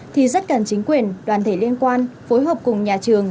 thì rất cần chính quyền đoàn thể liên quan phối hợp cùng nhà trường